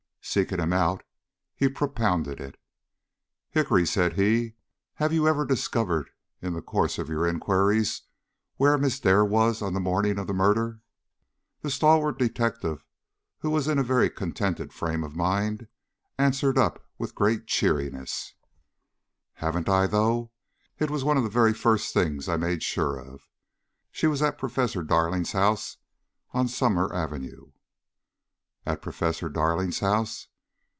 Seeking him out, he propounded it. "Hickory," said he, "have you ever discovered in the course of your inquiries where Miss Dare was on the morning of the murder?" The stalwart detective, who was in a very contented frame of mind, answered up with great cheeriness: "Haven't I, though! It was one of the very first things I made sure of. She was at Professor Darling's house on Summer Avenue." "At Professor Darling's house?"